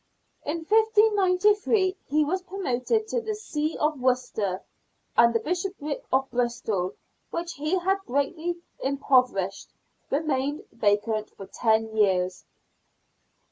In 1593 he was promoted to the See of Worcester, and the bishopric of Bristol, which he had greatly impoverished, remained vacant for ten years.